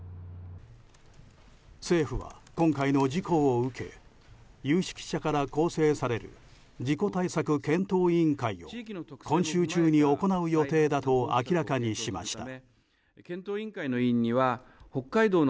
政府は今回の事故を受け有識者から構成される事故対策検討委員会を今週中に行う予定だと明らかにしました。